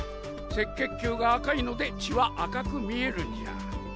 赤血球が赤いので血は赤く見えるんじゃ。